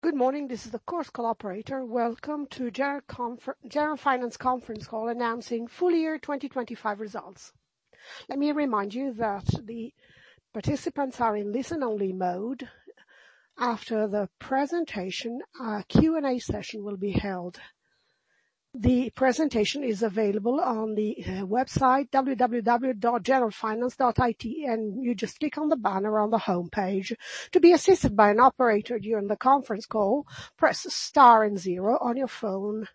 Good morning. This is the Chorus Call operator. Welcome to the Generalfinance conference call announcing full year 2025 results. Let me remind you that the participants are in listen-only mode. After the presentation, our Q&A session will be held. The presentation is available on the website www.generalfinance.it, and you just click on the banner on the homepage. To be assisted by an operator during the conference call, press star and zero on your phone.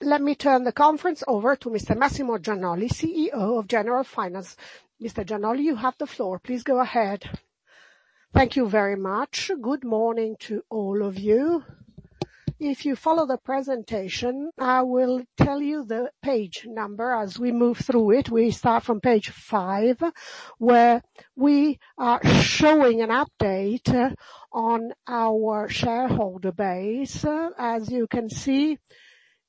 Let me turn the conference over to Mr. Massimo Gianolli, CEO of Generalfinance. Mr. Gianolli, you have the floor. Please go ahead. Thank you very much. Good morning to all of you. If you follow the presentation, I will tell you the page number as we move through it. We start from page five, where we are showing an update on our shareholder base. As you can see,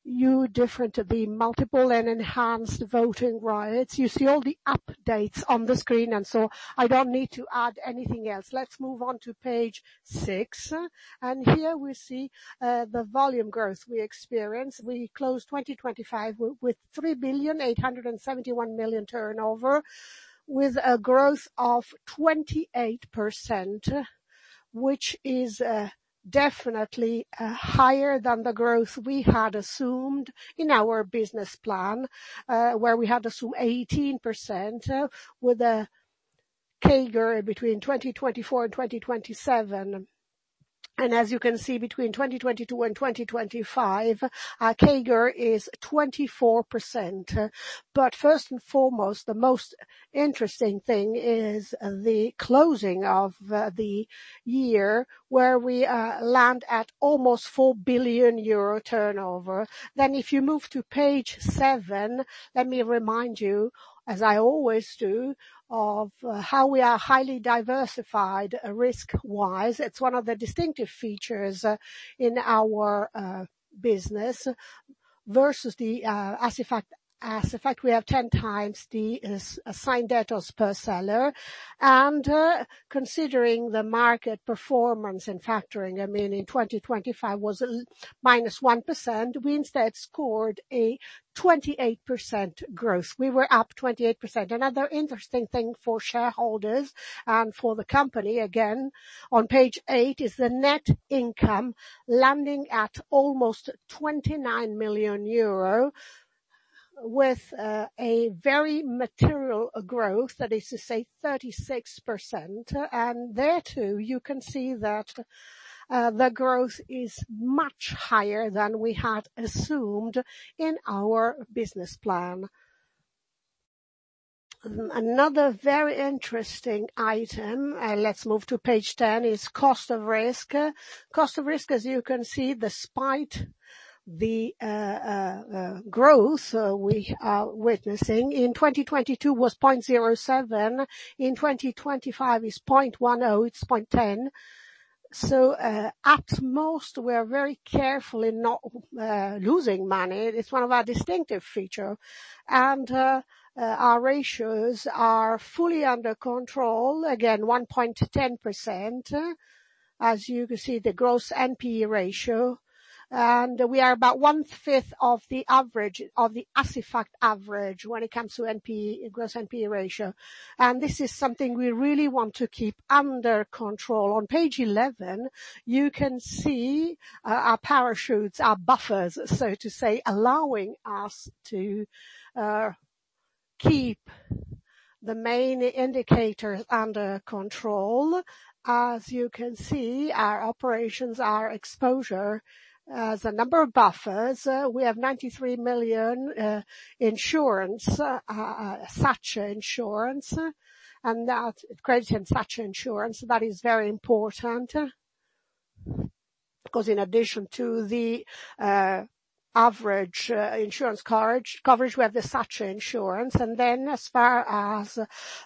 the multiple and enhanced voting rights. You see all the updates on the screen, and so I don't need to add anything else. Let's move on to page six. Here we see the volume growth we experienced. We closed 2025 with 3,871,000,000 turnover, with a growth of 28%, which is definitely higher than the growth we had assumed in our business plan, where we had assumed 18% with a Compound Annual Growth Rate between 2024 and 2027. As you can see, between 2022 and 2025, our CAGR is 24%. First and foremost, the most interesting thing is the closing of the year, where we land at almost 4 billion euro turnover. If you move to page seven, let me remind you, as I always do, of how we are highly diversified risk-wise. It's one of the distinctive features in our business versus the Assifact. Assifact, we have 10x the assigned debtors per seller. Considering the market performance in factoring, in 2025 was -1%, we instead scored a 28% growth. We were up 28%. Another interesting thing for shareholders and for the company, again, on page eight is the net income landing at almost 29 million euro with a very material growth, that is to say 36%. There, too, you can see that the growth is much higher than we had assumed in our business plan. Another very interesting item, let's move to page 10, is cost of risk. Cost of risk, as you can see, despite the growth we are witnessing, in 2022 was 0.07%, in 2025 it's 0.10%. At most, we are very careful in not losing money. It's one of our distinctive feature. Our ratios are fully under control. Again, 1.10%. As you can see, the gross Non-Performing Exposure ratio. We are about one-fifth of the Assifact average when it comes to gross NPE ratio. This is something we really want to keep under control. On page 11, you can see our parachutes, our buffers, so to say, allowing us to keep the main indicators under control. As you can see, our operations, our exposure has a number of buffers. We have 93 million insurance, SACE insurance, and that creates a SACE insurance. That is very important because in addition to the average insurance coverage, we have the SACE insurance. As far as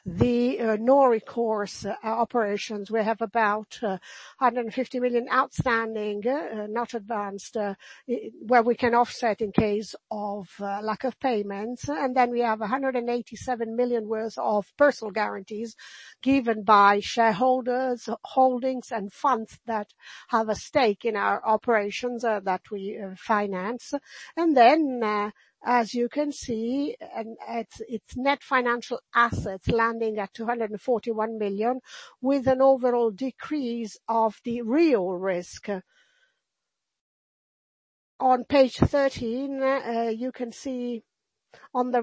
the non-recourse operations, we have about 150 million outstanding, not advanced, where we can offset in case of lack of payments. We have 187 million worth of personal guarantees given by shareholders, holdings, and funds that have a stake in our operations that we finance. As you can see, its net financial assets landing at 241 million with an overall decrease of the real risk. On page 13, you can see on the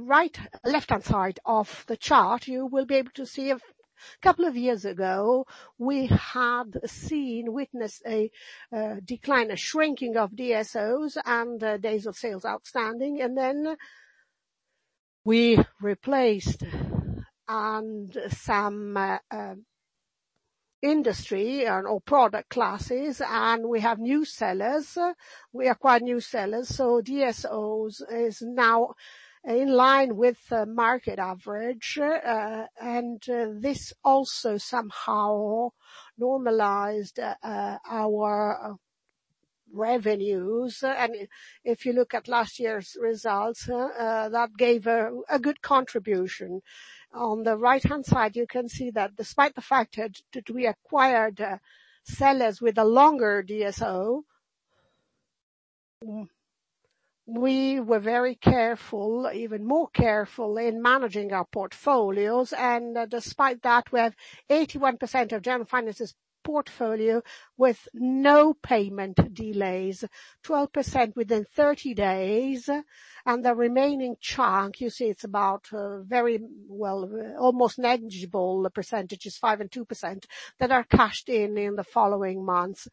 left-hand side of the chart, you will be able to see. A couple of years ago, we had seen, witnessed a decline, a shrinking of Days Sales Outstanding and days of sales outstanding, and then we replaced some industry or product classes, and we have new sellers. We acquired new sellers, so DSOs is now in line with the market average. This also somehow normalized our revenues. If you look at last year's results, that gave a good contribution. On the right-hand side, you can see that despite the fact that we acquired sellers with a longer DSO, we were very careful, even more careful in managing our portfolios. Despite that, we have 81% of Generalfinance's portfolio with no payment delays, 12% within 30 days, and the remaining chunk, you see it's about very well, almost negligible percentages, 5% and 2%, that are cashed in the following months.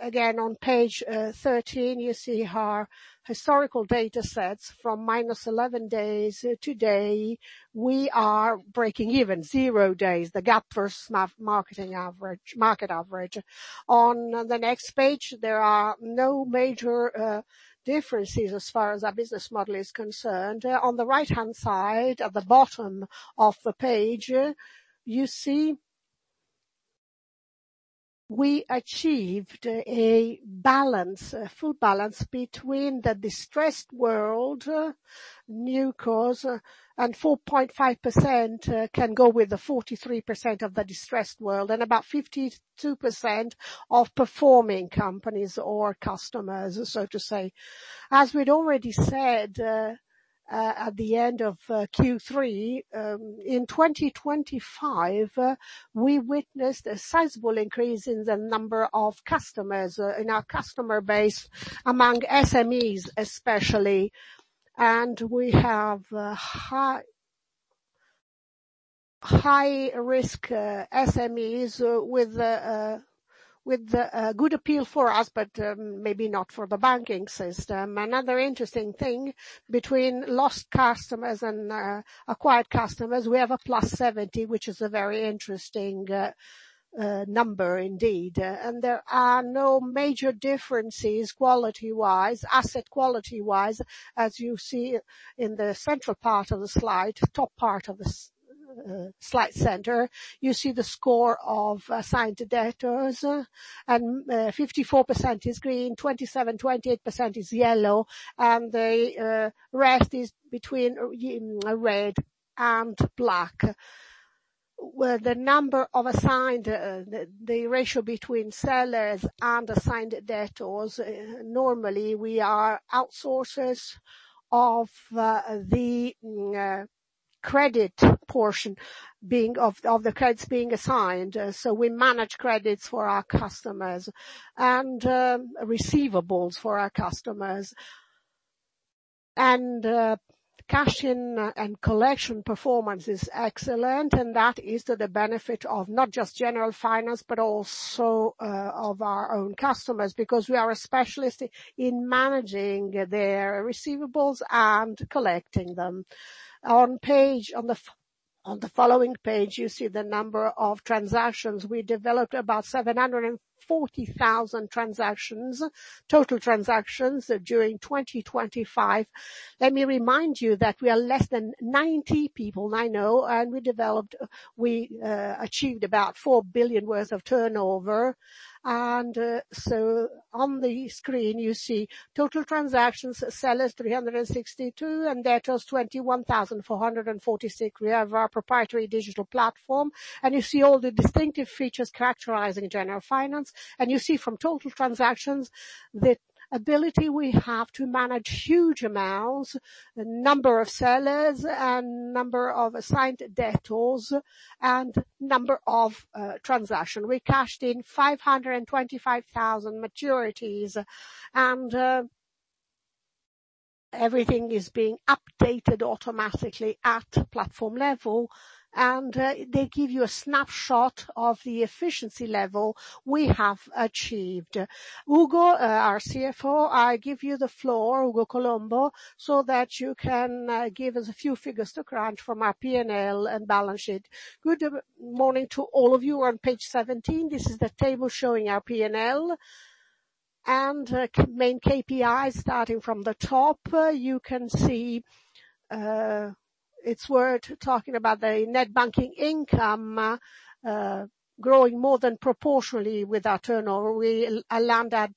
Again, on page 13, you see our historical data sets from -11 days today, we are breaking even, zero days, the gap versus market average. On the next page, there are no major differences as far as our business model is concerned. On the right-hand side, at the bottom of the page, you see we achieved a full balance between the distressed world, new cash, and 4.5% can go with the 43% of the distressed world, and about 52% of performing companies or customers, so to say. As we'd already said, at the end of Q3, in 2025, we witnessed a sizable increase in the number of customers in our customer base among SMEs, especially. We have high-risk SMEs with a good appeal for us, but maybe not for the banking system. Another interesting thing, between lost customers and acquired customers, we have a +70, which is a very interesting number indeed. There are no major differences quality-wise, asset quality-wise, as you see in the central part of the slide, top part of the slide center, you see the score of assigned debtors, and 54% is green, 27%-28% is yellow, and the rest is between red and black. The ratio between sellers and assigned debtors, normally, we are outsourcers of the credit portion of the credits being assigned, so we manage credits for our customers and receivables for our customers. Cash in and collection performance is excellent, and that is to the benefit of not just Generalfinance, but also of our own customers, because we are a specialist in managing their receivables and collecting them. On the following page, you see the number of transactions. We developed about 740,000 transactions, total transactions during 2025. Let me remind you that we are less than 90 people, I know, and we achieved about 4 billion worth of turnover. On the screen you see total transactions, sellers, 362, and debtors, 21,446. We have our proprietary digital platform, and you see all the distinctive features characterizing Generalfinance. You see from total transactions, the ability we have to manage huge amounts, the number of sellers, and number of assigned debtors, and number of transaction. We cashed in 525,000 maturities, and everything is being updated automatically at platform level. They give you a snapshot of the efficiency level we have achieved. Ugo, our CFO, I give you the floor, Ugo Colombo, so that you can give us a few figures to crunch from our P&L and balance sheet. Good morning to all of you. On page 17, this is the table showing our P&L and main Key Performance Indicators. Starting from the top, you can see it's worth talking about the net banking income growing more than proportionally with our turnover. We land at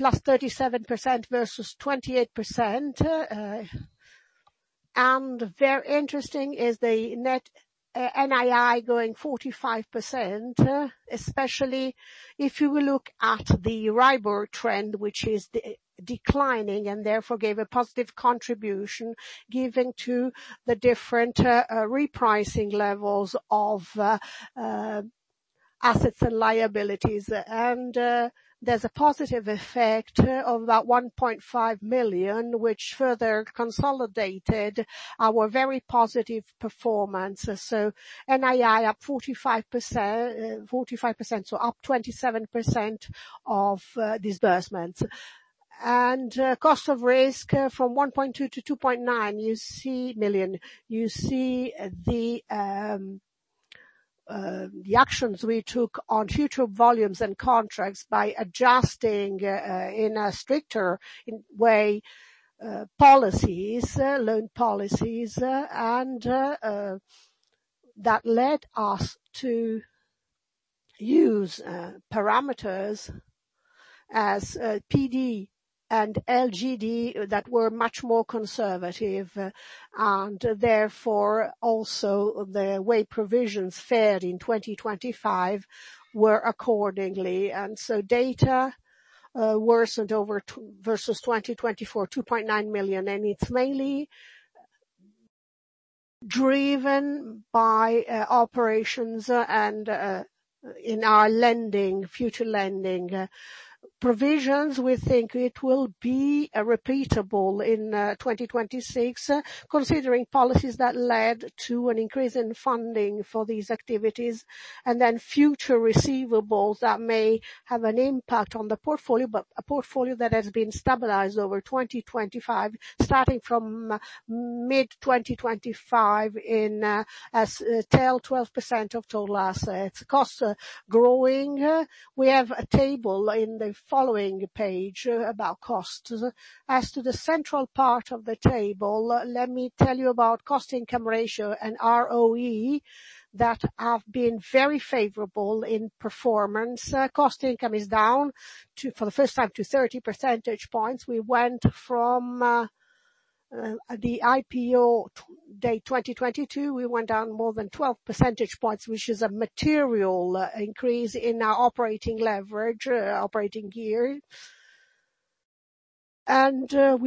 +37% versus 28%. Very interesting is the Net Interest Income growing 45%, especially if you look at the Euribor trend, which is declining, and therefore gave a positive contribution given to the different repricing levels of assets and liabilities. There's a positive effect of that 1.5 million, which further consolidated our very positive performance. NII up 45%, so up 27% of disbursements. Cost of risk from 1.2 million-2.9 million. You see the actions we took on future volumes and contracts by adjusting in a stricter way policies, loan policies, and that led us to use parameters as Probability of Default and Loss Given Default that were much more conservative, and therefore also the way provisions fared in 2025 were accordingly. Data worsened versus 2024, 2.9 million, and it's mainly driven by operations and in our future lending provisions, we think it will be repeatable in 2026, considering policies that led to an increase in funding for these activities, and then future receivables that may have an impact on the portfolio, but a portfolio that has been stabilized over 2025, starting from mid-2025 as 12% of total assets. Costs are growing. We have a table in the following page about costs. As to the central part of the table, let me tell you about cost income ratio and Return on Equity that have been very favorable in performance. Cost income is down for the first time to 30 percentage points. We went from the Initial Public Offering day 2022, we went down more than 12 percentage points, which is a material increase in our operating leverage, operating gear. We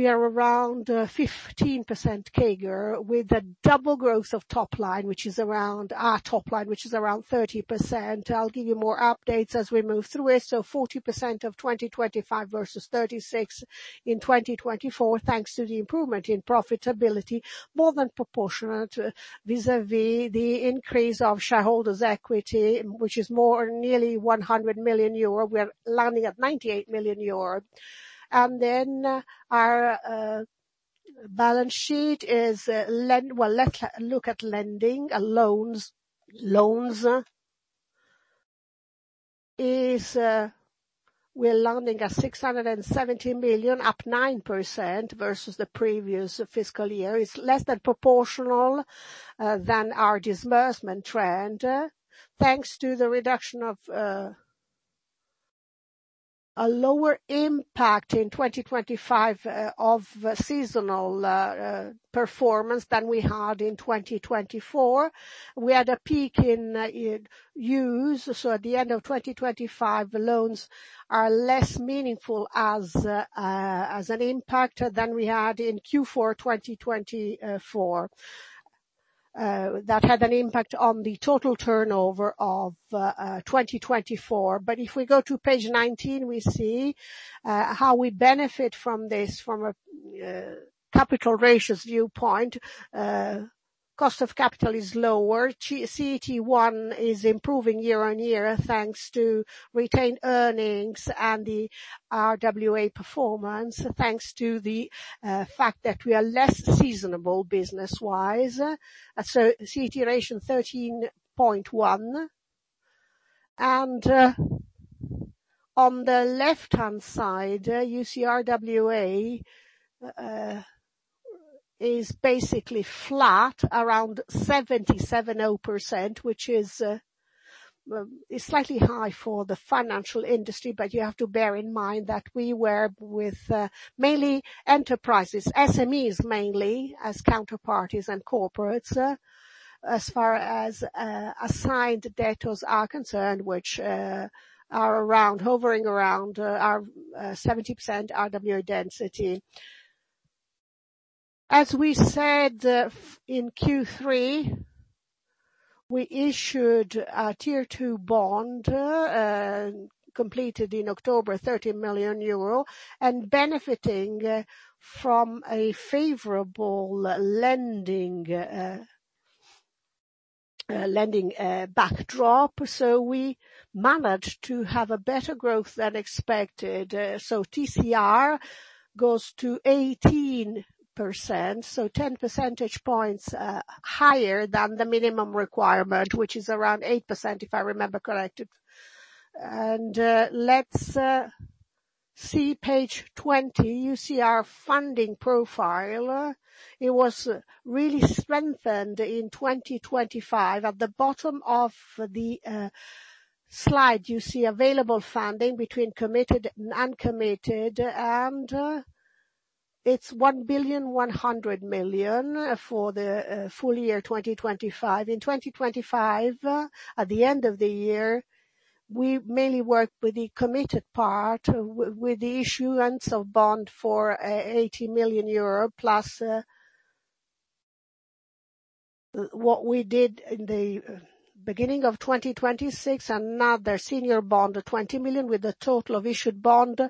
are around 15% CAGR with a double growth of our top line, which is around 30%. I'll give you more updates as we move through it. 40% of 2025 versus 36% in 2024, thanks to the improvement in profitability, more than proportionate vis-a-vis the increase of shareholders' equity, which is nearly 100 million euro. We're landing at 98 million euro. Our balance sheet is, well, look at lending and loans. We're lending at 670 million, up 9% versus the previous fiscal year, is less than proportional than our disbursement trend, thanks to the reduction of a lower impact in 2025 of seasonal performance than we had in 2024. We had a peak in use, so at the end of 2025, loans are less meaningful as an impact than we had in Q4 2024. That had an impact on the total turnover of 2024. But if we go to page 19, we see how we benefit from this from a capital ratios viewpoint. Cost of capital is lower. Common Equity Tier 1 is improving year on year, thanks to retained earnings and the Risk-Weighted Assets performance, thanks to the fact that we are less seasonable business-wise. So CET ratio 13.1. And on the left-hand side, you see RWA is basically flat around 77.0%, which is slightly high for the financial industry. You have to bear in mind that we were with mainly enterprises, Small and Medium Enterprises mainly, as counterparties and corporates as far as assigned debtors are concerned, which are hovering around our 70% RWA density. As we said in Q3, we issued a Tier 2 bond, completed in October, 30 million euro, and benefiting from a favorable lending backdrop. We managed to have a better growth than expected. Total Capital Ratio goes to 18%, so 10 percentage points higher than the minimum requirement, which is around 8%, if I remember correctly. Let's see page 20. You see our funding profile. It was really strengthened in 2025. At the bottom of the slide, you see available funding between committed and uncommitted, and it's 1,100 million for the full year 2025. In 2025, at the end of the year, we mainly worked with the committed part with the issuance of bond for 80+ million euro what we did in the beginning of 2026, another senior bond of 20 million with a total of issued bond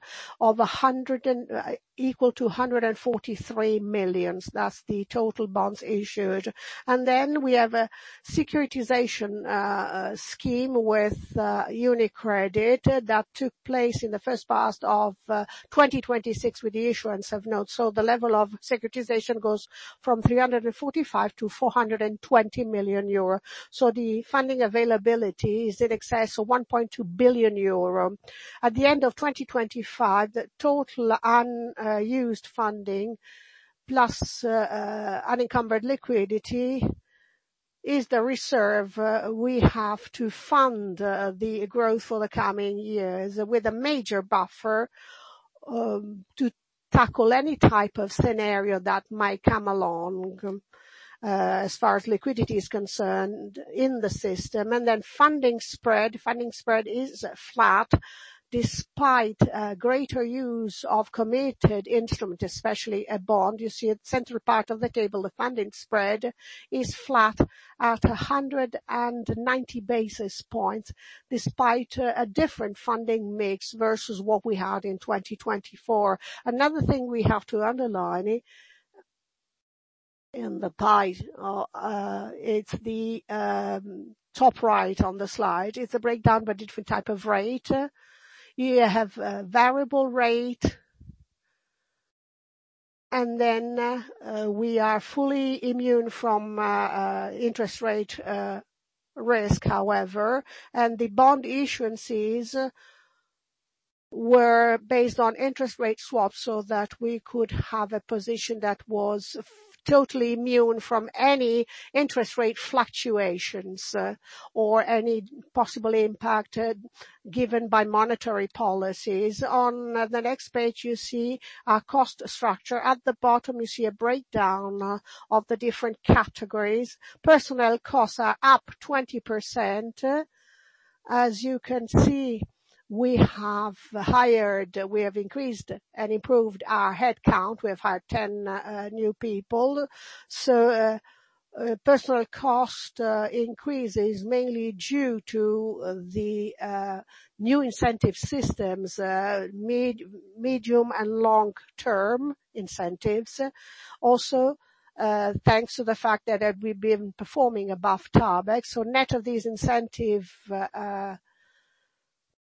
equal to 143 million. That's the total bonds issued. We have a securitization scheme with UniCredit that took place in the first part of 2026 with the issuance of notes. The level of securitization goes from 345 million-420 million euro. The funding availability is in excess of 1.2 billion euro. At the end of 2025, the total unused funding plus unencumbered liquidity is the reserve we have to fund the growth for the coming years with a major buffer to tackle any type of scenario that might come along, as far as liquidity is concerned in the system. Funding spread is flat despite greater use of committed instruments, especially a bond. You see it central part of the table, the funding spread is flat at 190 basis points despite a different funding mix versus what we had in 2024. Another thing we have to underline in the pie, it's the top right on the slide. It's a breakdown by different type of rate. You have variable rate, and then we are fully immune from interest rate risk, however. The bond issuances were based on interest rate swaps, so that we could have a position that was totally immune from any interest rate fluctuations or any possible impact given by monetary policies. On the next page, you see our cost structure. At the bottom, you see a breakdown of the different categories. Personnel costs are up 20%. As you can see, we have hired, we have increased and improved our headcount. We have hired 10 new people. Personnel cost increase is mainly due to the new incentive systems, medium and long-term incentives, also thanks to the fact that we've been performing above target. Net of these incentive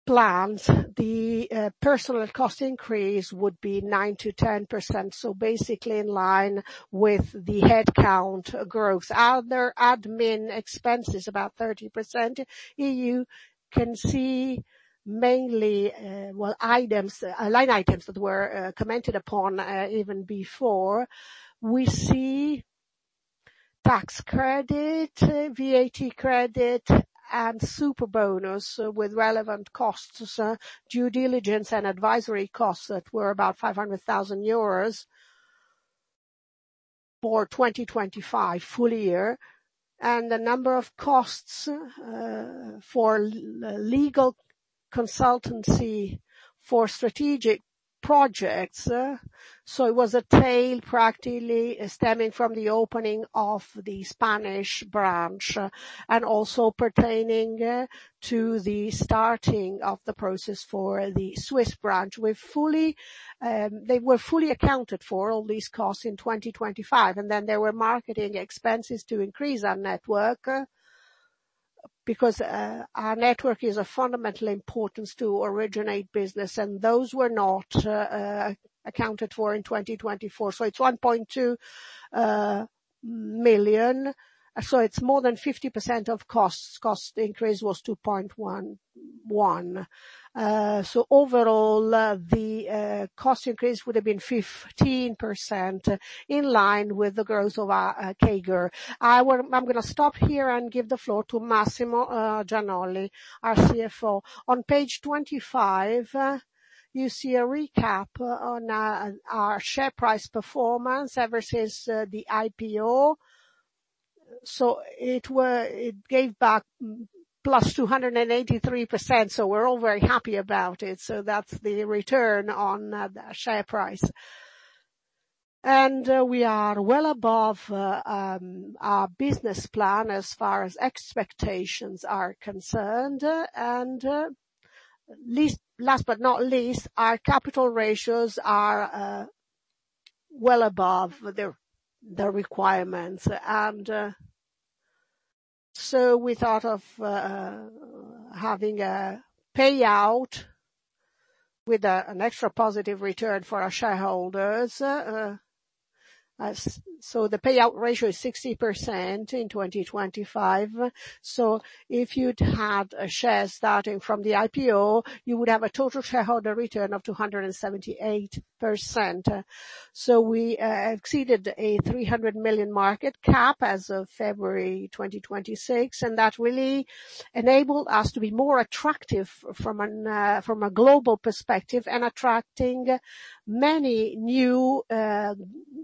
plans, the personnel cost increase would be 9%-10%, so basically in line with the headcount growth. Other admin expenses, about 30%, you can see mainly line items that were commented upon even before. We see tax credit, VAT credit, and Superbonus with relevant costs, due diligence, and advisory costs that were about 500,000 euros for 2025 full year, and the number of costs for legal consultancy for strategic projects. It was a tail practically stemming from the opening of the Spanish branch and also pertaining to the starting of the process for the Swiss branch. They were fully accounted for, all these costs in 2025. There were marketing expenses to increase our network, because our network is of fundamental importance to originate business. Those were not accounted for in 2024. It's 1.2 million. It's more than 50% of costs. Cost increase was 2.11. Overall, the cost increase would have been 15% in line with the growth of our CAGR. I'm going to stop here and give the floor to Massimo Gianolli, our CEO. On page 25, you see a recap on our share price performance versus the IPO. It gave back +283%, so we're all very happy about it. That's the return on the share price. We are well above our business plan as far as expectations are concerned. Last but not least, our capital ratios are well above the requirements. We thought of having a payout with an extra positive return for our shareholders. The payout ratio is 60% in 2025. If you'd had a share starting from the IPO, you would have a total shareholder return of 278%. We exceeded a 300 million market cap as of February 2026, and that really enabled us to be more attractive from a global perspective and attracting many new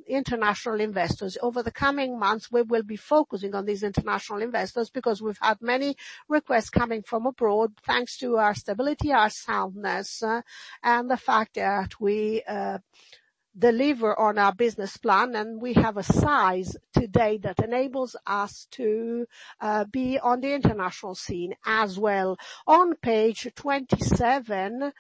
international investors. Over the coming months, we will be focusing on these international investors because we've had many requests coming from abroad, thanks to our stability, our soundness, and the fact that we deliver on our business plan. We have a size today that enables us to be on the international scene as well. On page 27,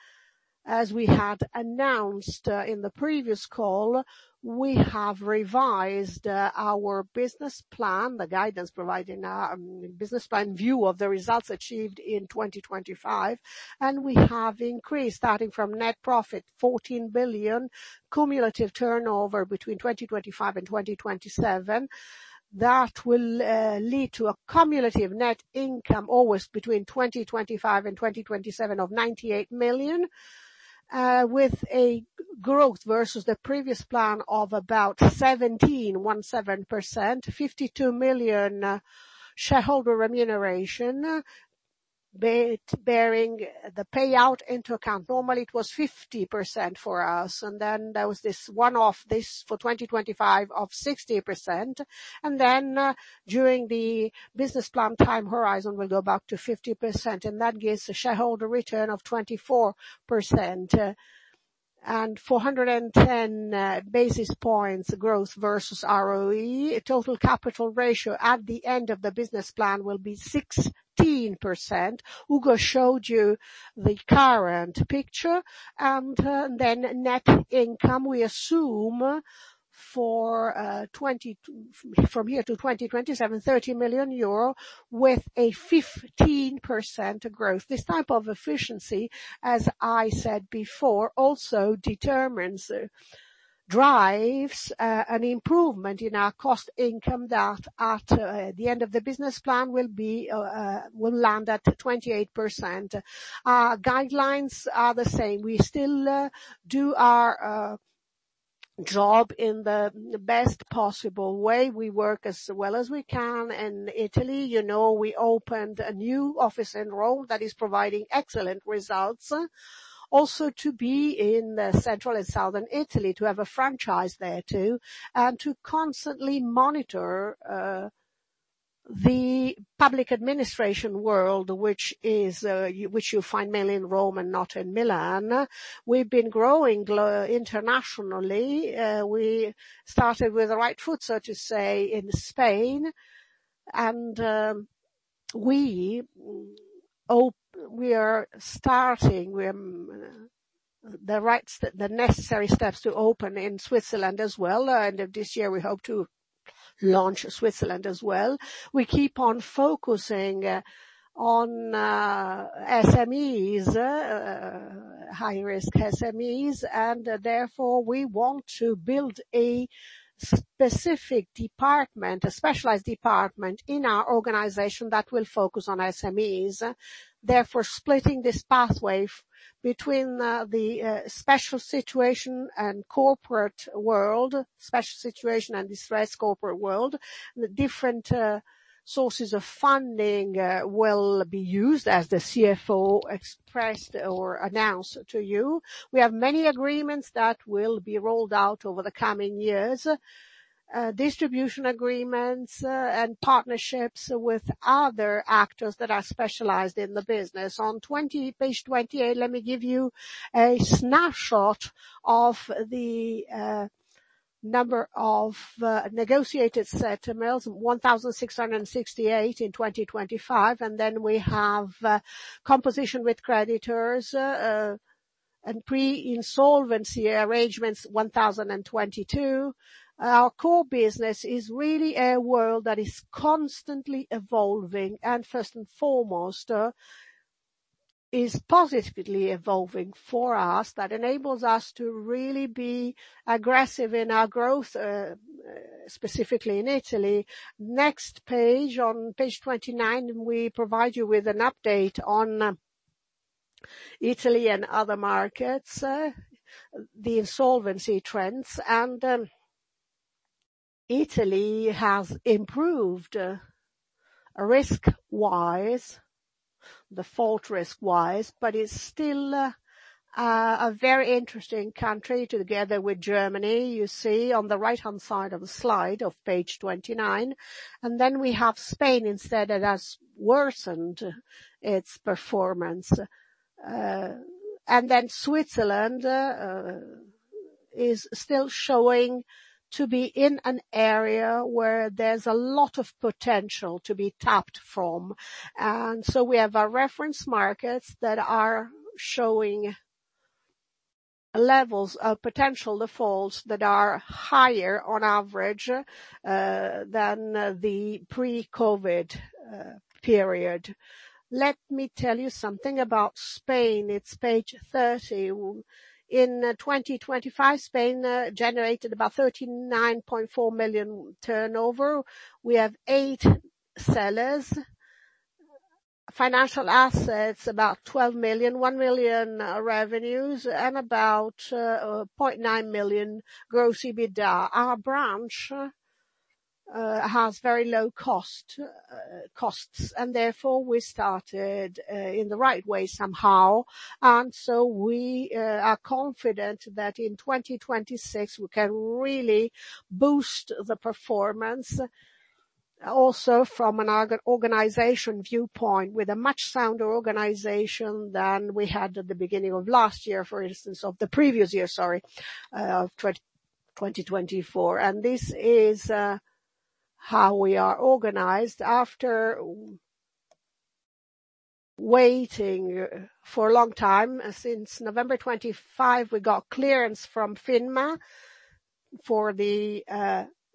as we had announced in the previous call, we have revised our business plan, the guidance providing our business plan view of the results achieved in 2025. We have increased, starting from net profit 14 billion cumulative turnover between 2025 and 2027. That will lead to a cumulative net income always between 2025 and 2027 of 98 million. With a growth versus the previous plan of about 17%, EUR 52 million shareholder remuneration, bearing the payout into account. Normally, it was 50% for us, and then there was this one-off this for 2025 of 60%. During the business plan time horizon, we'll go back to 50%, and that gives a shareholder return of 24%. 410 basis points growth versus ROE. Total Capital Ratio at the end of the Business Plan will be 16%. Ugo showed you the current picture. Net Income, we assume from here to 2027, 30 million euro with a 15% growth. This type of efficiency, as I said before, also determines, drives an improvement in our Cost Income that at the end of the Business Plan will land at 28%. Our guidelines are the same. We still do our job in the best possible way. We work as well as we can in Italy. We opened a new office in Rome that is providing excellent results, also to be in Central and Southern Italy, to have a franchise there, too, and to constantly monitor the Public Administration world, which you'll find mainly in Rome and not in Milan. We've been growing internationally. We started with the right foot, so to say, in Spain. We are starting the necessary steps to open in Switzerland as well. End of this year, we hope to launch Switzerland as well. We keep on focusing on SMEs, high-risk SMEs. Therefore, we want to build a specific department, a specialized department in our organization that will focus on SMEs, therefore splitting this pathway between the special situation and corporate world, special situation and distressed corporate world. The different sources of funding will be used as the CFO expressed or announced to you. We have many agreements that will be rolled out over the coming years, distribution agreements and partnerships with other actors that are specialized in the business. On page 28, let me give you a snapshot of the number of negotiated settlements, 1,668 in 2025. We have composition with creditors and pre-insolvency arrangements, 1,022. Our core business is really a world that is constantly evolving and, first and foremost, is positively evolving for us. That enables us to really be aggressive in our growth, specifically in Italy. Next page, on page 29, we provide you with an update on Italy and other markets, the insolvency trends. Italy has improved risk-wise, default risk-wise, but it's still a very interesting country together with Germany. You see on the right-hand side of the slide of page 29. We have Spain instead, that has worsened its performance. Switzerland is still showing to be in an area where there's a lot of potential to be tapped from. We have our reference markets that are showing levels of potential defaults that are higher on average than the pre-COVID period. Let me tell you something about Spain. It's page 30. In 2025, Spain generated about 39.4 million turnover. We have eight sellers. Financial assets, about 12 million. 1 million revenues, and about 0.9 million gross EBITDA. Our branch has very low costs, and therefore, we started in the right way somehow. We are confident that in 2026, we can really boost the performance also from an organization viewpoint with a much sounder organization than we had at the beginning of last year, for instance, of the previous year, sorry, of 2024. This is how we are organized. After waiting for a long time, since November 2025, we got clearance from FINMA for the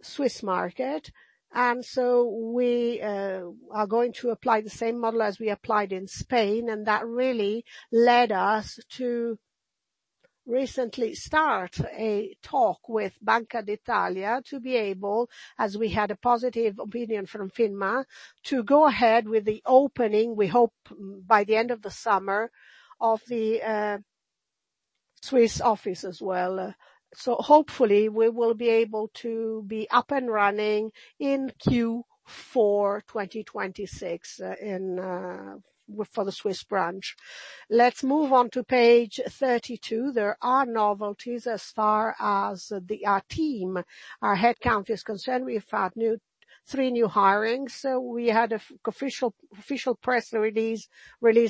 Swiss market. We are going to apply the same model as we applied in Spain, and that really led us to recently start a talk with Banca d'Italia to be able, as we had a positive opinion from FINMA, to go ahead with the opening, we hope by the end of the summer, of the Swiss office as well. Hopefully we will be able to be up and running in Q4 2026 for the Swiss branch. Let's move on to page 32. There are novelties as far as our team, our headcount is concerned. We've had three new hirings. We had official press release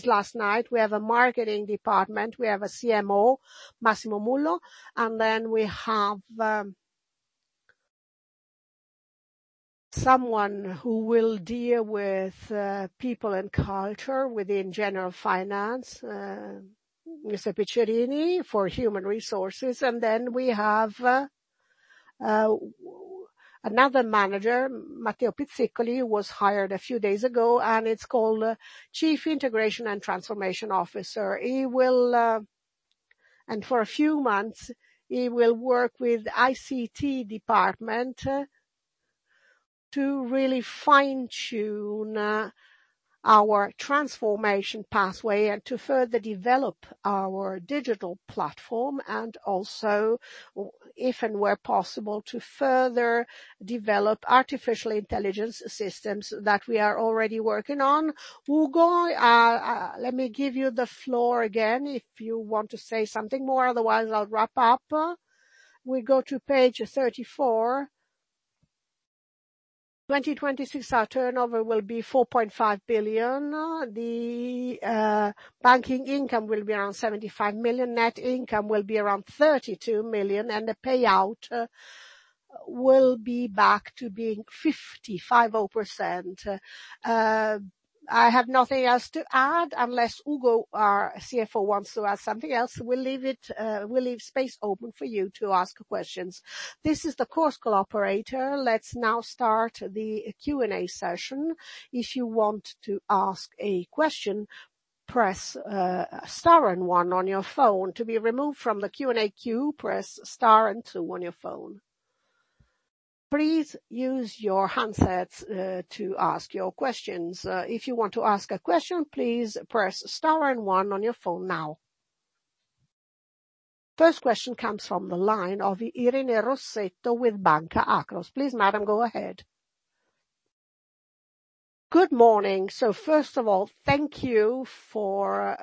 last night. We have a Marketing Department. We have a Chief Marketing Officer, Massimo Bullo, and then we have someone who will deal with People and Culture within Generalfinance, Maria Virginia Piccirilli, for Human Resources. We have another manager, Matteo Pizzicoli, who was hired a few days ago, and he's called Chief Integration and Transformation Officer. For a few months, he will work with Information and Communication Technology department to really fine-tune our transformation pathway and to further develop our digital platform and also, if and where possible, to further develop artificial intelligence systems that we are already working on. Ugo, let me give you the floor again, if you want to say something more, otherwise, I'll wrap up. We go to page 34. 2026, our turnover will be 4.5 billion. The banking income will be around 75 million, net income will be around 32 million, and the payout will be back to being 55%. I have nothing else to add unless Ugo, our CFO, wants to add something else. We'll leave space open for you to ask questions. This is the Chorus Call operator. Let's now start the Q&A session. If you want to ask a question, press star and one on your phone. To be removed from the Q&A queue, press star and two on your phone. Please use your handsets to ask your questions. If you want to ask a question, please press star and one on your phone now. First question comes from the line of Irene Rossetto with Banca Akros. Please, madam, go ahead. Good morning. First of all, thank you for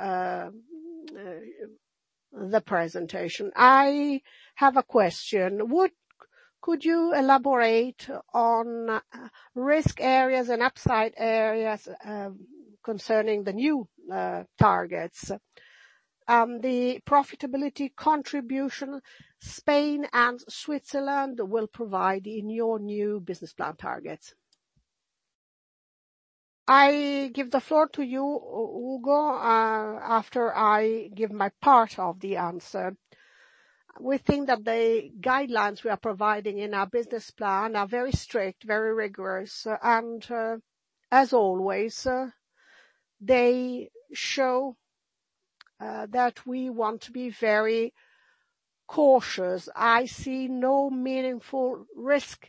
the presentation. I have a question. Could you elaborate on risk areas and upside areas concerning the new targets, the profitability contribution Spain and Switzerland will provide in your new business plan targets? I give the floor to you, Ugo, after I give my part of the answer. We think that the guidelines we are providing in our business plan are very strict, very rigorous. As always, they show that we want to be very cautious. I see no meaningful risk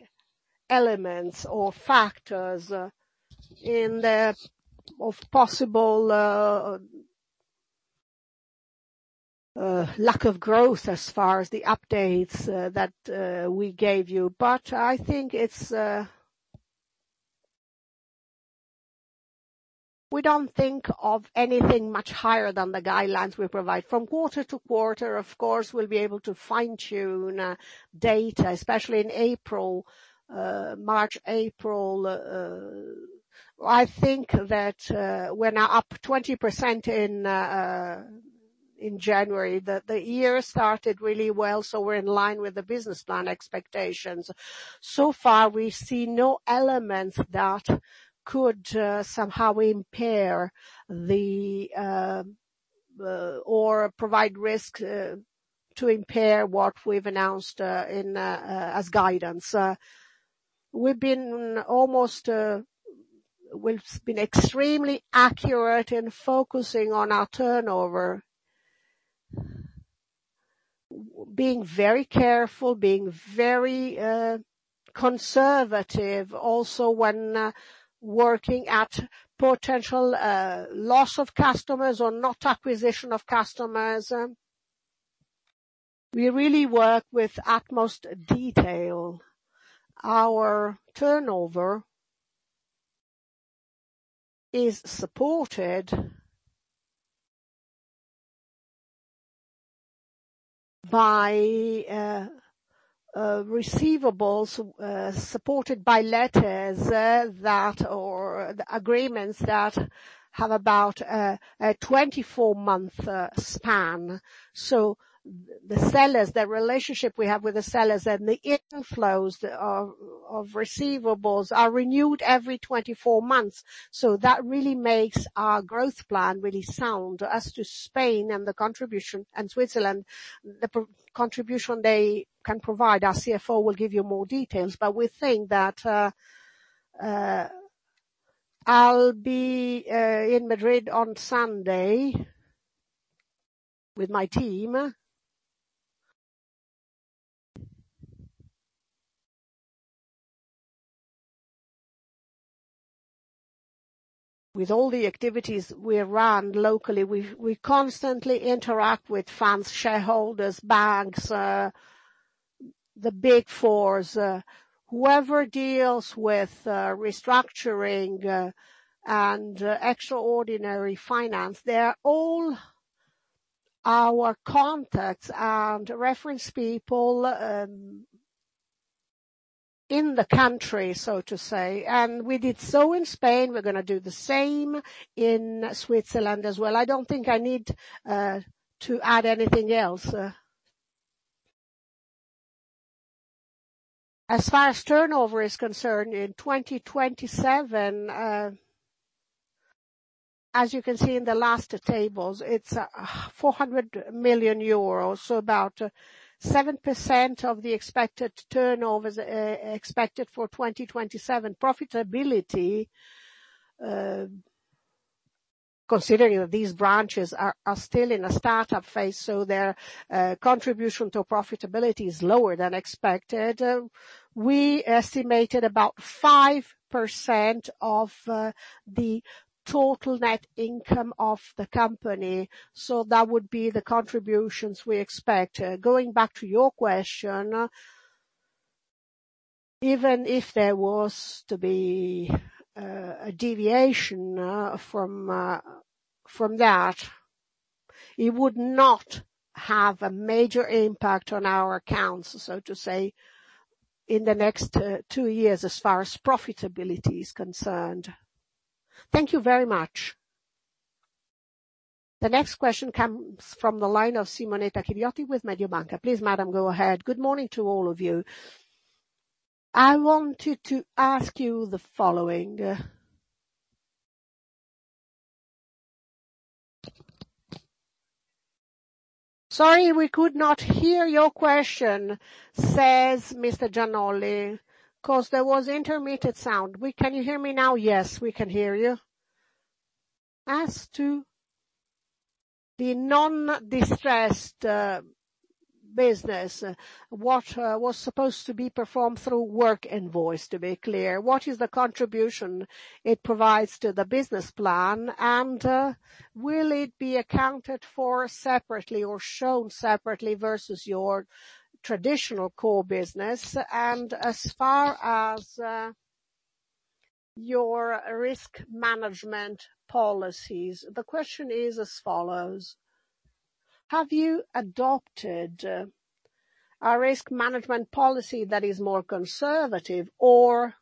elements or factors of possible lack of growth as far as the updates that we gave you. We don't think of anything much higher than the guidelines we provide. From quarter to quarter, of course, we'll be able to fine-tune data, especially in March, April. I think that we're now up 20% in January. The year started really well, so we're in line with the business plan expectations. So far, we see no elements that could somehow impair or provide risk to impair what we've announced as guidance. We've been extremely accurate in focusing on our turnover, being very careful, being very conservative also when working at potential loss of customers or not acquisition of customers. We really work with utmost detail. Our turnover is supported by receivables, supported by letters, or agreements that have about a 24-month span. The relationship we have with the sellers and the inflows of receivables are renewed every 24 months. That really makes our growth plan really sound. As to Spain and Switzerland, the contribution they can provide, our CFO will give you more details. We think that I'll be in Madrid on Sunday with my team. With all the activities we run locally, we constantly interact with funds, shareholders, banks, the Big Four, whoever deals with restructuring and extraordinary finance. They're all our contacts and reference people in the country. We did so in Spain. We're going to do the same in Switzerland as well. I don't think I need to add anything else. As far as turnover is concerned in 2027, as you can see in the last tables, it's 400 million euros, about 7% of the expected turnovers expected for 2027. Profitability, considering that these branches are still in a startup phase, so their contribution to profitability is lower than expected, we estimated about 5% of the total net income of the company, so that would be the contributions we expect. Going back to your question, even if there was to be a deviation from that, it would not have a major impact on our accounts, so to say, in the next two years as far as profitability is concerned. Thank you very much. The next question comes from the line of Simonetta Chiriotti with Mediobanca. Please, madam, go ahead. Good morning to all of you. I wanted to ask you the following. Sorry, we could not hear your question, mbecause there was intermittent sound. Can you hear me now? Yes, we can hear you. As to the non-distressed business, what was supposed to be performed through Workinvoice, to be clear, what is the contribution it provides to the business plan? Will it be accounted for separately or shown separately versus your traditional core business? As far as your risk management policies, the question is as follows. Have you adopted a risk management policy that is more conservative, or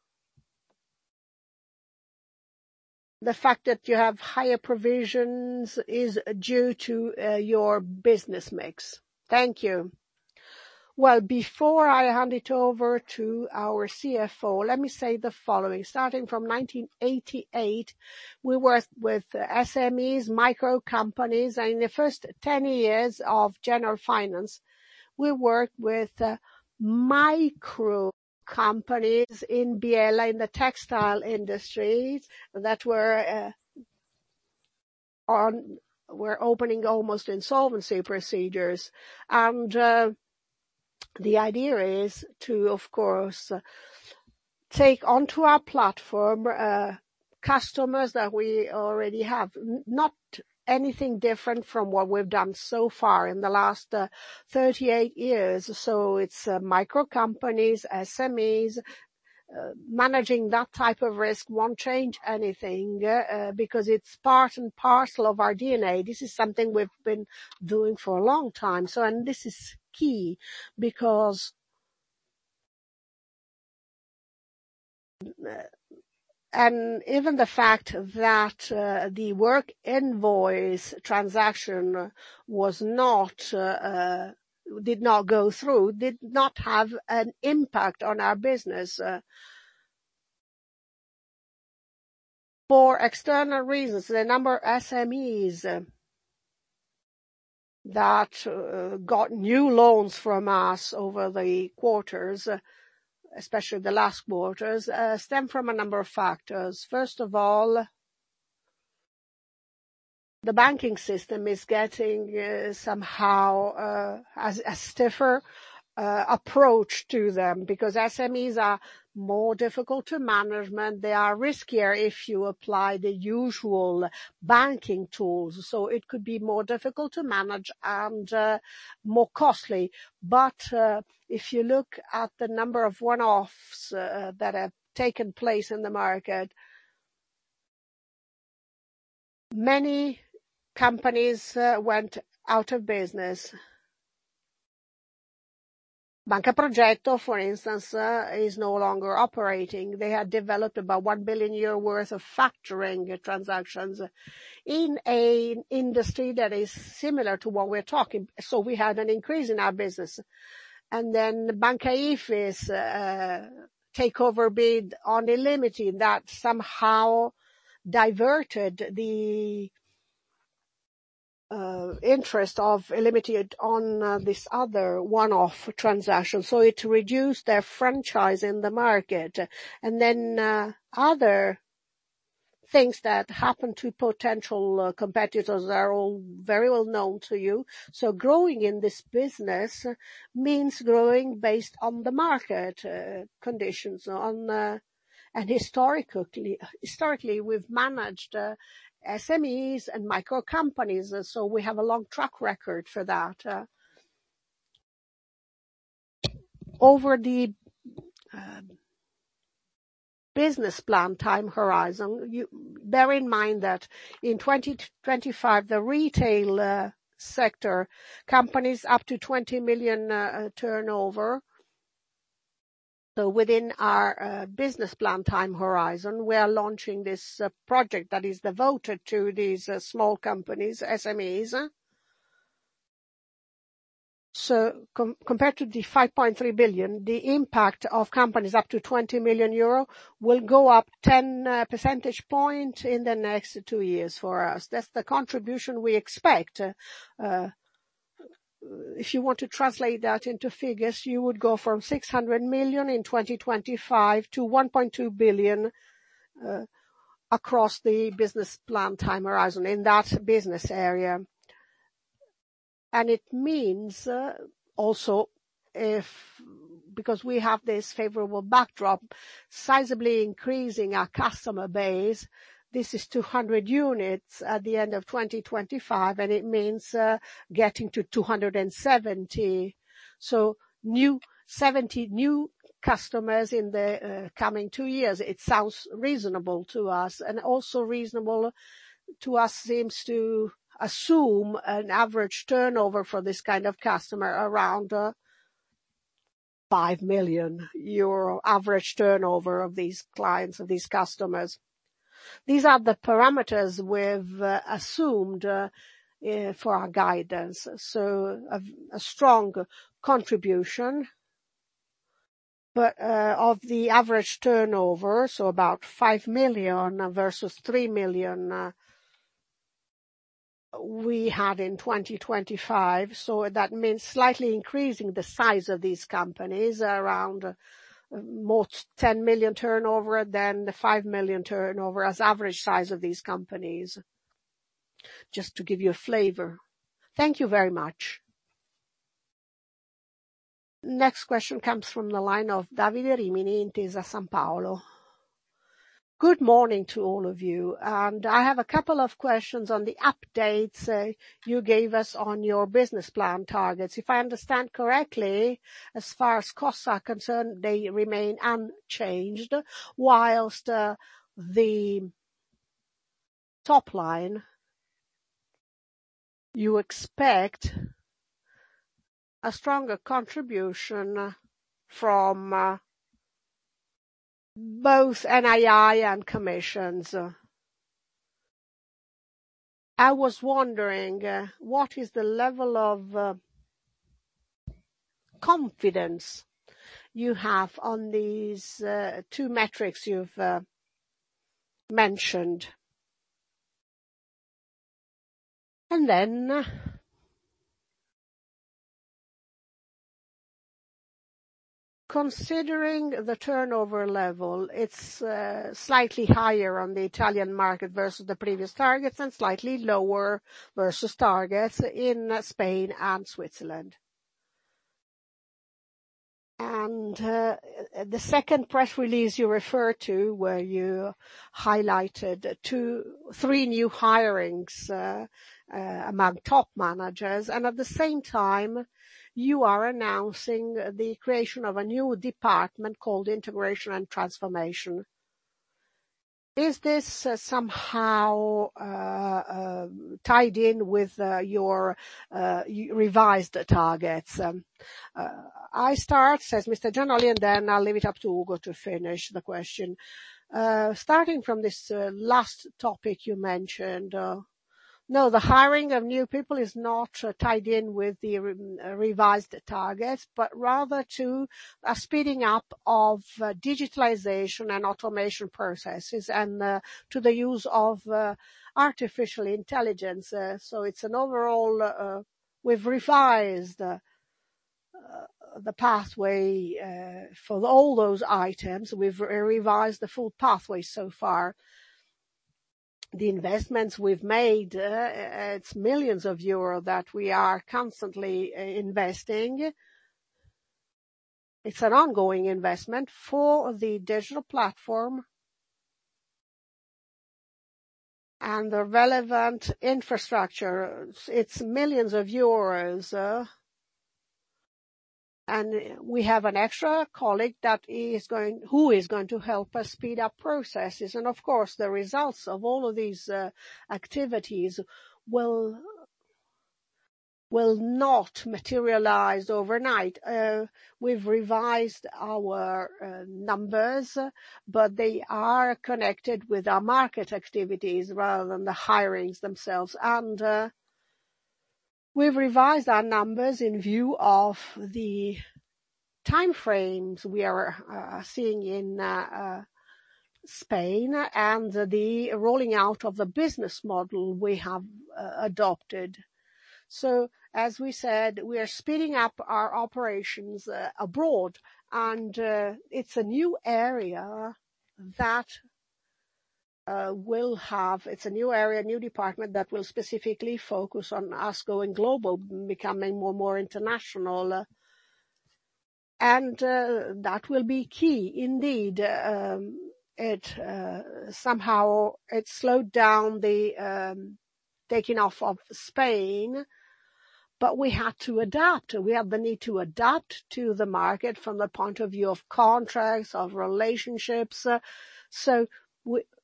the fact that you have higher provisions is due to your business mix? Thank you. Well, before I hand it over to our CFO, let me say the following. Starting from 1988, we worked with SMEs, micro companies, and in the first 10 years of Generalfinance, we worked with micro companies in Biella, in the textile industries, that were opening almost insolvency procedures. The idea is to, of course, take onto our platform customers that we already have, not anything different from what we've done so far in the last 38 years. It's micro companies, SMEs. Managing that type of risk won't change anything because it's part and parcel of our DNA. This is something we've been doing for a long time. This is key because even the fact that the Workinvoice transaction did not go through did not have an impact on our business. For external reasons, the number of SMEs that got new loans from us over the quarters, especially the last quarters, stem from a number of factors. First of all, the banking system is getting somehow a stiffer approach to them because SMEs are more difficult to manage. They are riskier if you apply the usual banking tools. It could be more difficult to manage and more costly. If you look at the number of one-offs that have taken place in the market, many companies went out of business. Banca Progetto, for instance, is no longer operating. They had developed about 1 billion worth of factoring transactions in an industry that is similar to what we're talking. We had an increase in our business. Banca Ifis takeover bid on illimity, that somehow diverted the interest of illimity on this other one-off transaction. It reduced their franchise in the market. Other things that happened to potential competitors are all very well known to you. Growing in this business means growing based on the market conditions. Historically, we've managed SMEs and micro companies, so we have a long track record for that. Over the business plan time horizon, bear in mind that in 2025, the retail sector companies up to 20 million turnover. Within our business plan time horizon, we are launching this project that is devoted to these small companies, SMEs. Compared to the 5.3 billion, the impact of companies up to 20 million euro will go up 10 percentage point in the next two years for us. That's the contribution we expect. If you want to translate that into figures, you would go from 600 million in 2025 to 1.2 billion, across the business plan time horizon in that business area. It means also if, because we have this favorable backdrop, sizably increasing our customer base. This is 200 units at the end of 2025, and it means getting to 270. 70 new customers in the coming two years. It sounds reasonable to us and also reasonable to us seems to assume an average turnover for this kind of customer, around 5 million euro average turnover of these clients, of these customers. These are the parameters we've assumed for our guidance. A strong contribution. Of the average turnover, so about 5 million versus 3 million we have in 2025. That means slightly increasing the size of these companies around more 10 million turnover than the 5 million turnover as average size of these companies. Just to give you a flavor. Thank you very much. Next question comes from the line of Davide Rimini, Intesa Sanpaolo. Good morning to all of you. I have a couple of questions on the updates you gave us on your business plan targets. If I understand correctly, as far as costs are concerned, they remain unchanged, whilst the top line, you expect a stronger contribution from both NII and commissions. I was wondering, what is the level of confidence you have on these two metrics you've mentioned? Considering the turnover level, it's slightly higher on the Italian market versus the previous targets and slightly lower versus targets in Spain and Switzerland. The second press release you referred to, where you highlighted three new hirings among top managers, and at the same time you are announcing the creation of a new department called Integration and Transformation. Is this somehow tied in with your revised targets? I start, and then I'll leave it up to Ugo to finish the question. Starting from this last topic you mentioned. No, the hiring of new people is not tied in with the revised targets, but rather to a speeding up of digitalization and automation processes and to the use of artificial intelligence. We've revised the pathway for all those items. We've revised the full pathway so far. The investments we've made, it's millions of Euro that we are constantly investing. It's an ongoing investment for the digital platform and the relevant infrastructure. It's millions of Euro. We have an extra colleague who is going to help us speed up processes. Of course, the results of all of these activities will not materialize overnight. We've revised our numbers, but they are connected with our market activities rather than the hirings themselves. We've revised our numbers in view of the time frames we are seeing in Spain and the rolling out of the business model we have adopted. As we said, we are speeding up our operations abroad, and it's a new area, new department that will specifically focus on us going global, becoming more international. That will be key indeed. Somehow it slowed down the taking off of Spain, but we had to adapt. We had the need to adapt to the market from the point of view of contracts, of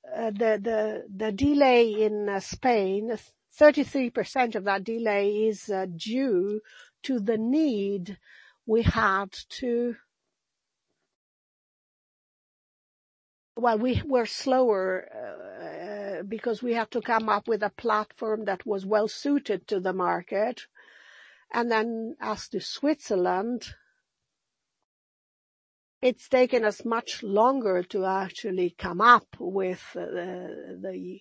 relationships. The delay in Spain, 33% of that delay is due to the need we had to, well, we were slower because we had to come up with a platform that was well suited to the market. As to Switzerland, it's taken us much longer to actually come up with the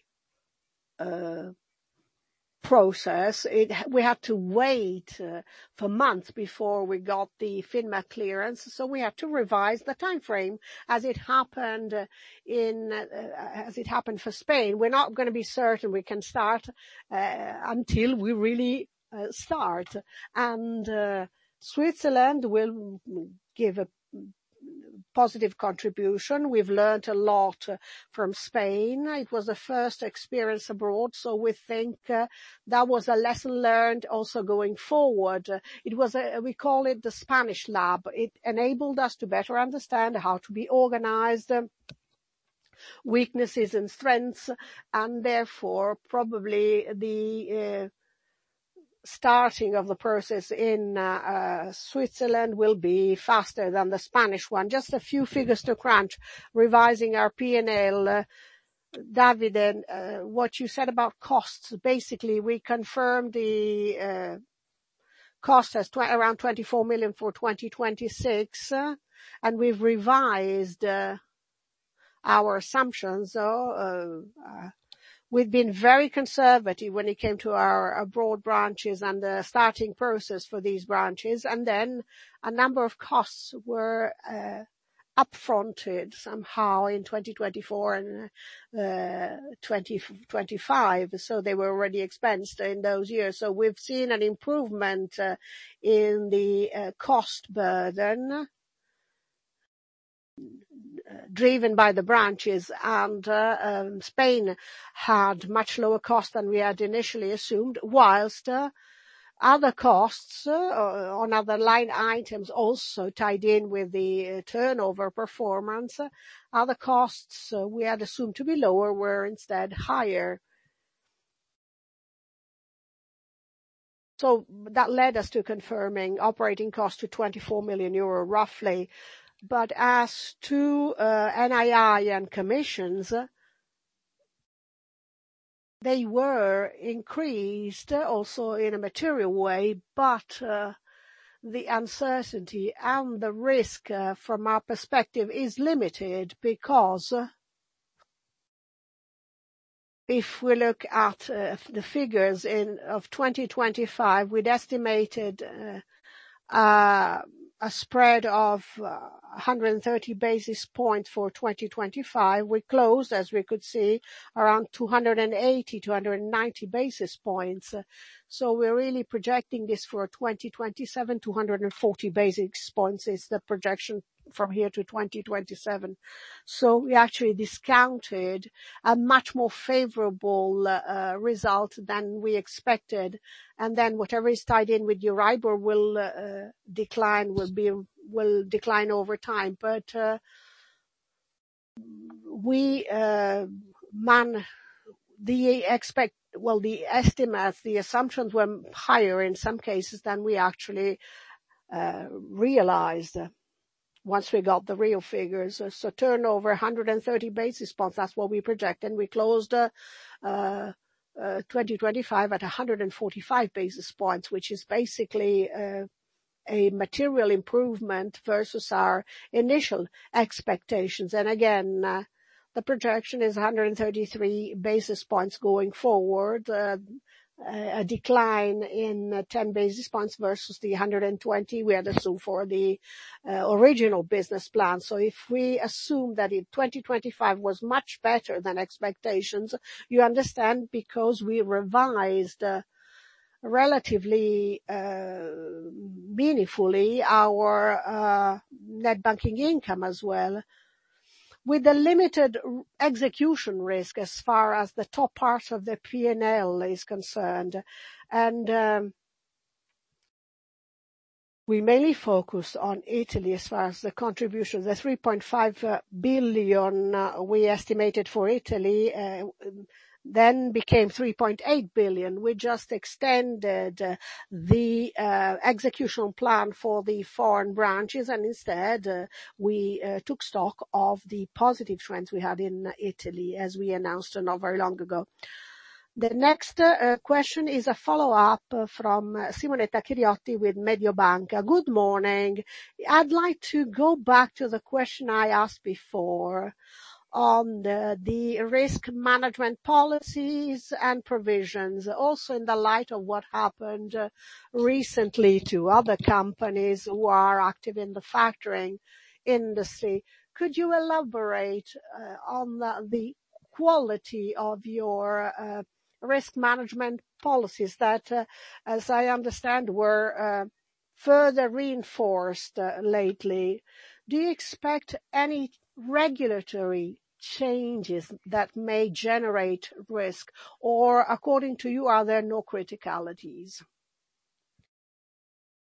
process. We had to wait for months before we got the FINMA clearance, so we had to revise the time frame as it happened for Spain. We're not going to be certain we can start until we really start. Switzerland will give a positive contribution. We've learned a lot from Spain. It was a first experience abroad, so we think that was a lesson learned also going forward. We call it the Spanish lab. It enabled us to better understand how to be organized, weaknesses and strengths, and therefore, probably the starting of the process in Switzerland will be faster than the Spanish one. Just a few figures to crunch, revising our P&L. Davide, what you said about costs, basically, we confirm the cost as around 24 million for 2026, and we've revised our assumptions. We've been very conservative when it came to our abroad branches and the starting process for these branches. A number of costs were up-fronted somehow in 2024 and 2025. They were already expensed in those years. We've seen an improvement in the cost burden, driven by the branches, and Spain had much lower cost than we had initially assumed, whilst other costs on other line items also tied in with the turnover performance. Other costs we had assumed to be lower were instead higher. That led us to confirming operating costs to 24 million euro roughly. As to NII and commissions, they were increased also in a material way, but the uncertainty and the risk from our perspective is limited because if we look at the figures of 2025, we'd estimated a spread of 130 basis points for 2025. We closed, as we could see, around 280 basis points-190 basis points. We're really projecting this for 2027, 240 basis points is the projection from here to 2027. We actually discounted a much more favorable result than we expected. Whatever is tied in with Euribor will decline over time. The estimates, the assumptions were higher in some cases than we actually realized once we got the real figures. Turnover 130 basis points, that's what we projected. We closed 2025 at 145 basis points, which is basically a material improvement versus our initial expectations. The projection is 133 basis points going forward, a decline in 10 basis points versus the 120 we had assumed for the original business plan. If we assume that in 2025 was much better than expectations, you understand, because we revised relatively meaningfully our net banking income as well, with a limited execution risk as far as the top part of the P&L is concerned. We mainly focus on Italy as far as the contribution, the 3.5 billion we estimated for Italy then became 3.8 billion. We just extended the executional plan for the foreign branches and instead we took stock of the positive trends we had in Italy, as we announced not very long ago. The next question is a follow-up from Simonetta Chiriotti with Mediobanca. Good morning. I'd like to go back to the question I asked before on the risk management policies and provisions, also in the light of what happened recently to other companies who are active in the factoring industry. Could you elaborate on the quality of your risk management policies that, as I understand, were further reinforced lately? Do you expect any regulatory changes that may generate risk, or according to you, are there no criticalities?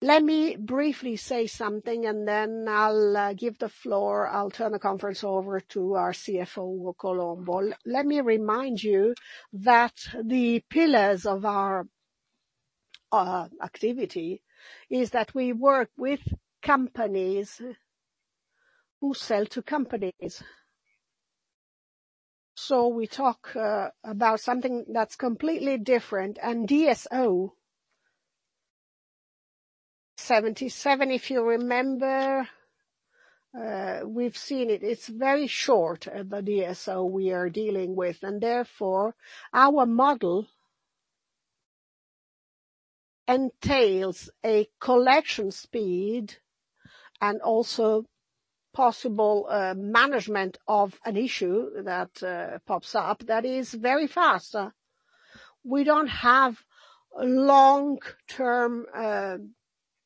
Let me briefly say something, and then I'll turn the conference over to our CFO, Colombo. Let me remind you that the pillars of our activity is that we work with companies who sell to companies. We talk about something that's completely different, and DSO 77, if you remember, we've seen it. It's very short, the DSO we are dealing with. Therefore, our model entails a collection speed and also possible management of an issue that pops up that is very fast. We don't have long-term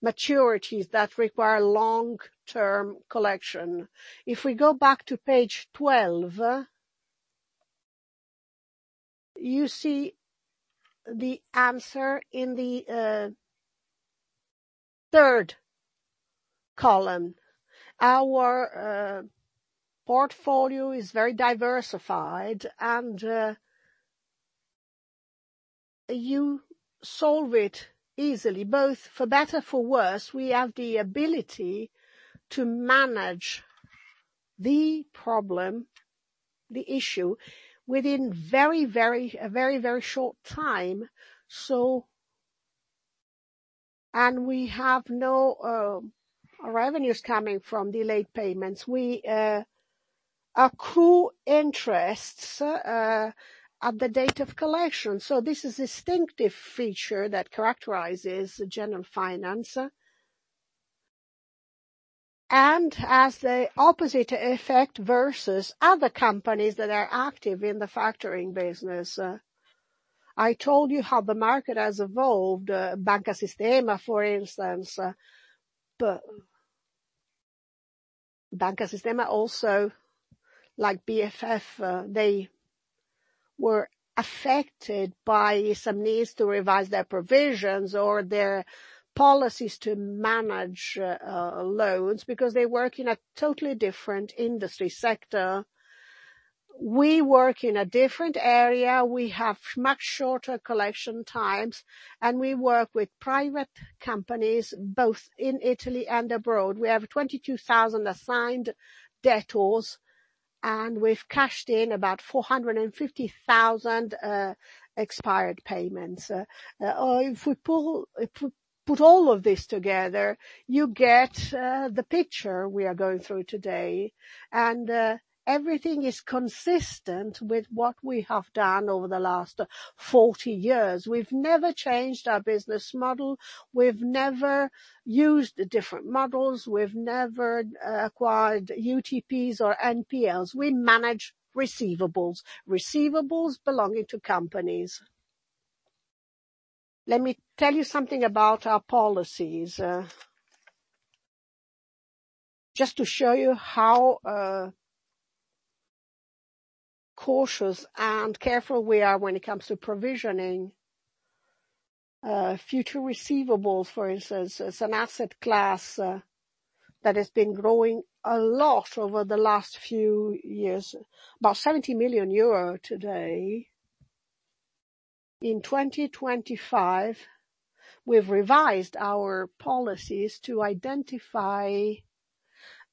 maturities that require long-term collection. If we go back to page 12, you see the answer in the third column. Our portfolio is very diversified, and you saw it easily, both for better, for worse. We have the ability to manage the problem, the issue, within a very short time. We have no revenues coming from delayed payments. We accrue interest at the date of collection. This is a distinctive feature that characterizes Generalfinance, and has the opposite effect versus other companies that are active in the factoring business. I told you how the market has evolved, Banca Sistema, for instance. Banca Sistema also, like BFF, they were affected by some needs to revise their provisions or their policies to manage loans because they work in a totally different industry sector. We work in a different area. We have much shorter collection times, and we work with private companies, both in Italy and abroad. We have 22,000 assigned debtors, and we've cashed in about 450,000 expired payments. If we put all of this together, you get the picture we are going through today, and everything is consistent with what we have done over the last 40 years. We've never changed our business model. We've never used different models. We've never acquired Unlikely to Pay or Non-Performing Loans. We manage receivables belonging to companies. Let me tell you something about our policies. Just to show you how cautious and careful we are when it comes to provisioning future receivables, for instance, it's an asset class that has been growing a lot over the last few years, about 70 million euro today. In 2025, we've revised our policies to identify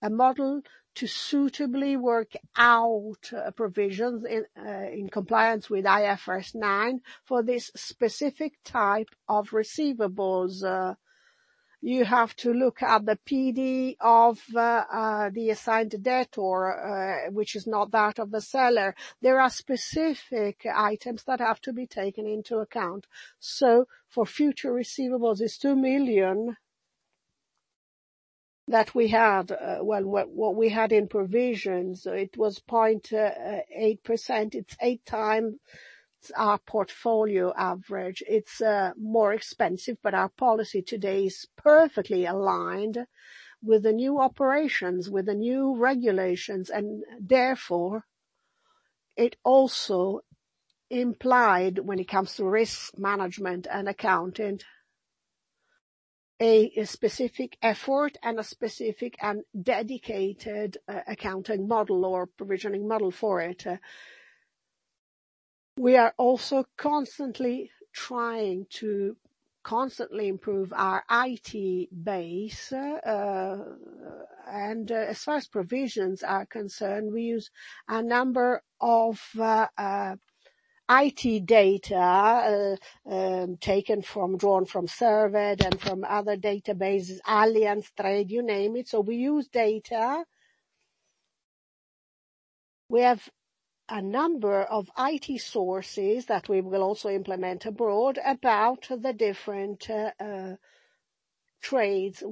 a model to suitably work out provisions in compliance with IFRS 9 for this specific type of receivables. You have to look at the PD of the assigned debtor, which is not that of the seller. There are specific items that have to be taken into account. For future receivables, it's 2 million that we had. Well, what we had in provisions, it was 0.8%. It's 8x our portfolio average. It's more expensive, but our policy today is perfectly aligned with the new operations, with the new regulations, and therefore, it also implied, when it comes to risk management and accounting, a specific effort and a specific and dedicated accounting model or provisioning model for it. We are also constantly trying to constantly improve our IT base. As far as provisions are concerned, we use a number of IT data drawn from Cerved and from other databases, Allianz Trade, you name it. We use data. We have a number of ICT sources that we will also implement abroad about the different trades.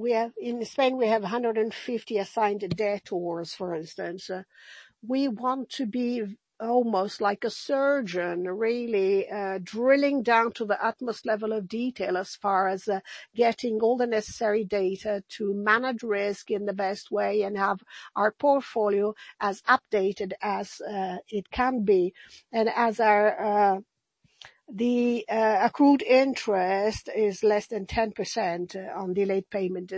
In Spain, we have 150 assigned debtors, for instance. We want to be almost like a surgeon really, drilling down to the utmost level of detail as far as getting all the necessary data to manage risk in the best way and have our portfolio as updated as it can be. As the accrued interest is less than 10% on delayed payment.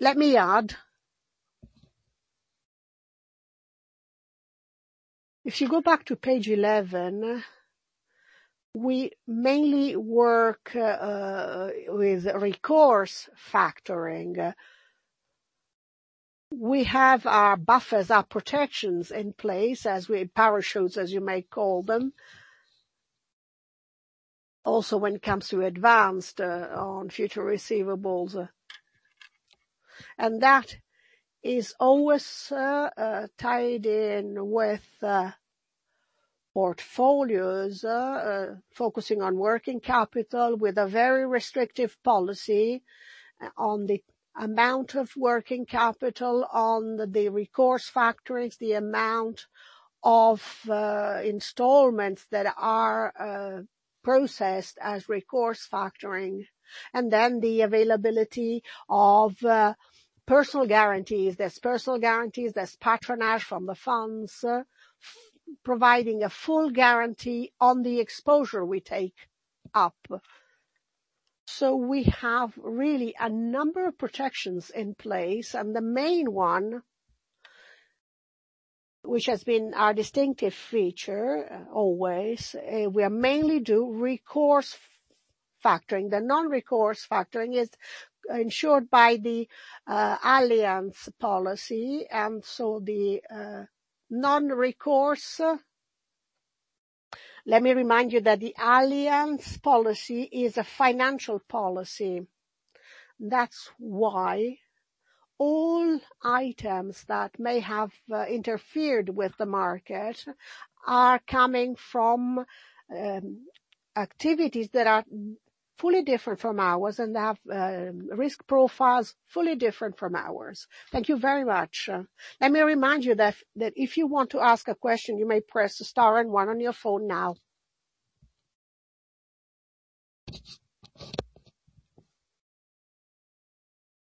Let me add, if you go back to page 11, we mainly work with recourse factoring. We have our buffers, our protections in place, parachutes, as you may call them, also when it comes to advances on future receivables. That is always tied in with portfolios, focusing on working capital with a very restrictive policy on the amount of working capital, on the recourse factorings, the amount of installments that are processed as recourse factoring, and then the availability of personal guarantees. There's personal guarantees, there's patronage from the funds, providing a full guarantee on the exposure we take up. We have really a number of protections in place, and the main one, which has been our distinctive feature always, we mainly do recourse factoring. The non-recourse factoring is ensured by the Allianz policy. Let me remind you that the Allianz policy is a financial policy. That's why all items that may have interfered with the market are coming from activities that are fully different from ours and have risk profiles fully different from ours. Thank you very much. Let me remind you that if you want to ask a question, you may press star and one on your phone now.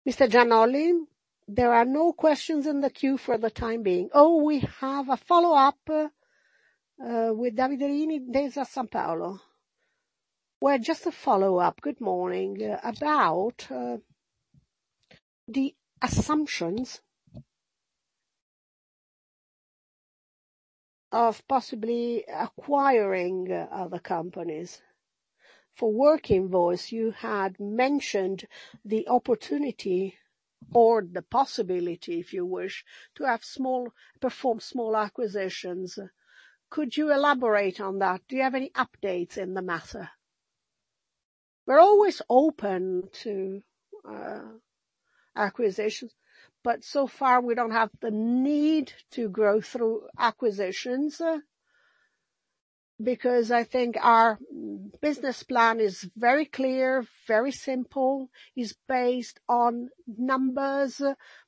Mr. Gianolli, there are no questions in the queue for the time being. Oh, we have a follow-up with Davide Rimini, Intesa Sanpaolo. Well, just a follow-up, good morning, about the assumptions of possibly acquiring other companies. For Workinvoice, you had mentioned the opportunity or the possibility, if you wish, to perform small acquisitions. Could you elaborate on that? Do you have any updates in the matter? We're always open to acquisitions, but so far we don't have the need to grow through acquisitions, because I think our business plan is very clear, very simple. It's based on numbers,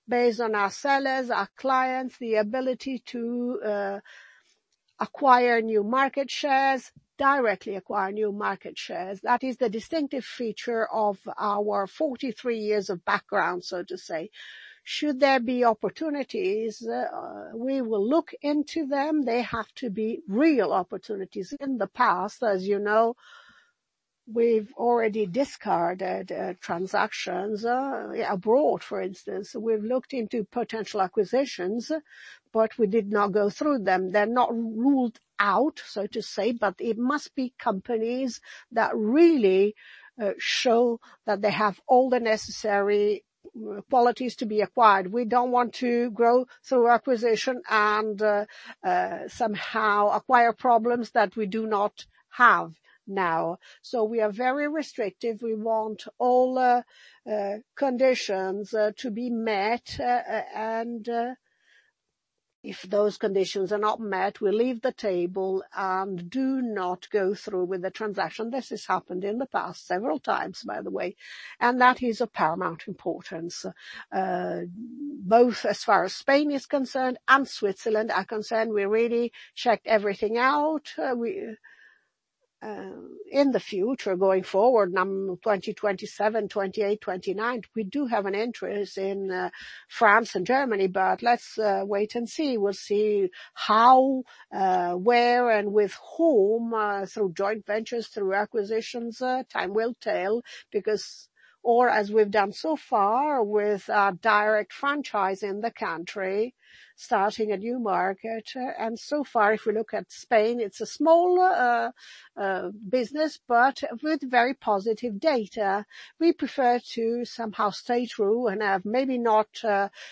based on our sellers, our clients, the ability to acquire new market shares, and directly acquire new market shares. That is the distinctive feature of our 43 years of background, so to say. Should there be opportunities, we will look into them. They have to be real opportunities. In the past, as you know, we've already discarded transactions abroad, for instance. We've looked into potential acquisitions, but we did not go through them. They're not ruled out, so to say, but it must be companies that really show that they have all the necessary qualities to be acquired. We don't want to grow through acquisition and somehow acquire problems that we do not have now. We are very restrictive. We want all conditions to be met, and if those conditions are not met, we leave the table and do not go through with the transaction. This has happened in the past several times, by the way, and that is of paramount importance, both as far as Spain is concerned and Switzerland are concerned. We really checked everything out. In the future, going forward, 2027, 2028, 2029, we do have an interest in France and Germany, but let's wait and see. We'll see how, where, and with whom, through joint ventures, through acquisitions. Time will tell, or as we've done so far with our direct franchise in the country, starting a new market. So far, if we look at Spain, it's a small business, but with very positive data. We prefer to somehow stay true and have maybe not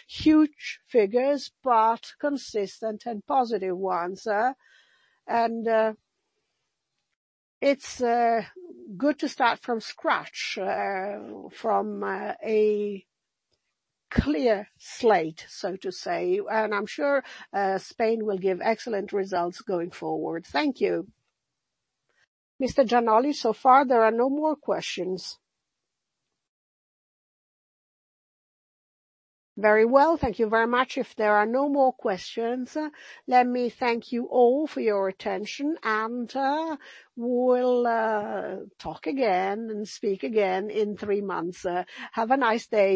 huge figures, but consistent and positive ones. It's good to start from scratch, from a clear slate, so to say. I'm sure Spain will give excellent results going forward. Thank you. Mr. Gianolli, so far there are no more questions. Very well. Thank you very much. If there are no more questions, let me thank you all for your attention, and we'll talk again and speak again in three months. Have a nice day.